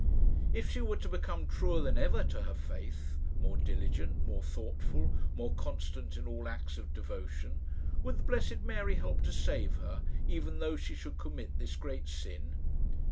If she were to become truer than ever to her faith more diligent, more thoughtful, more constant in all acts of devotion would the blessed Mary help to save her, even though she should commit this great sin?